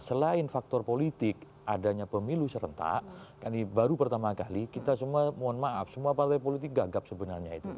selain faktor politik adanya pemilu serentak ini baru pertama kali kita semua mohon maaf semua partai politik gagap sebenarnya itu